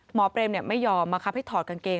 เปรมไม่ยอมบังคับให้ถอดกางเกง